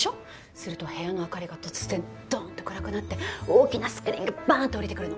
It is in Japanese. すると部屋の明かりが突然ドンッて暗くなって大きなスクリーンがバーンッて下りてくるの。